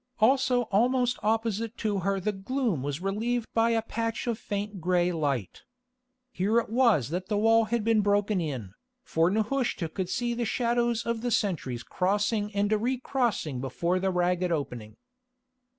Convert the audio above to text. Also almost opposite to her the gloom was relieved by a patch of faint grey light. Here it was that the wall had been broken in, for Nehushta could see the shadows of the sentries crossing and recrossing before the ragged opening.